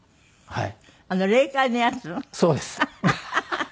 はい。